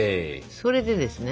それでですね